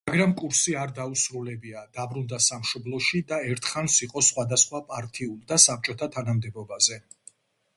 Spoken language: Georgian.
მაგრამ კურსი არ დაუსრულებია, დაბრუნდა სამშობლოში და ერთხანს იყო სხვადასხვა პარტიულ და საბჭოთა თანამდებობაზე.